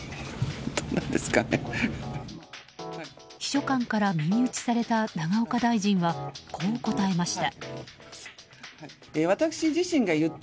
秘書官から耳打ちされた永岡大臣は、こう答えました。